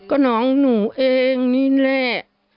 ก็น้องหนูเองนี่แหละ